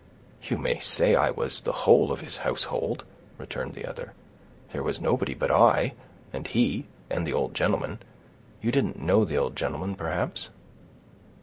"You may say I was the whole of his household," returned the other; "there was nobody but I, and he, and the old gentleman. You didn't know the old gentleman, perhaps?"